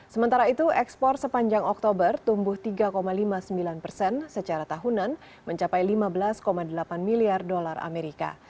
sementara itu ekspor sepanjang oktober tumbuh tiga lima puluh sembilan persen secara tahunan mencapai lima belas delapan miliar dolar amerika